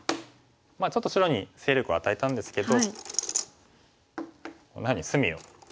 ちょっと白に勢力を与えたんですけどこんなふうに隅を。